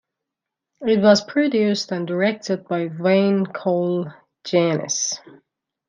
It was produced and directed by Wayne Coles-Janess.